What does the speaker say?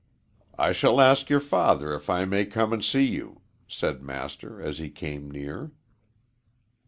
"I shall ask your father if I may come and see you," said Master as he came near.